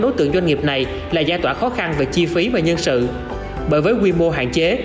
đối tượng doanh nghiệp này là giải tỏa khó khăn về chi phí và nhân sự bởi với quy mô hạn chế